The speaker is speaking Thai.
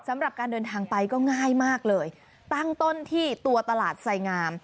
สำหรับการเดินทางไปก็ง่ายมากเลยตั้งต้นที่ตัวตลาดไสงาม